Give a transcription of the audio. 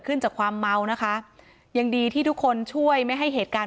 จากความเมานะคะยังดีที่ทุกคนช่วยไม่ให้เหตุการณ์